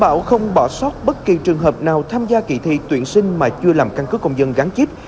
để đảm bảo không bỏ sót bất kỳ trường hợp nào tham gia kỳ thi tuyển sinh mà chưa làm căn cức công dân gắn chip